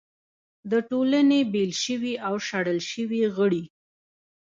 د ټولنې بېل شوي او شړل شوي غړي